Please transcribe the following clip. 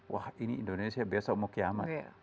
wah ini indonesia besok mau kiamat